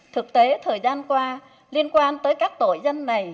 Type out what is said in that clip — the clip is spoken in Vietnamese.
thực tế thời gian qua liên quan tới các tội dân này